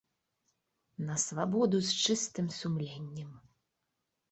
На свабоду з чыстым сумленнем!